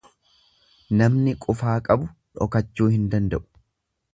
Namni qufaa qabu dhokachuu hin danda'u.